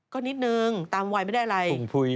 ก็นิดนึงตามวัยไม่ได้อะไร